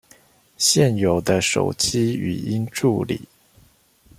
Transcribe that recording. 現有的手機語音助理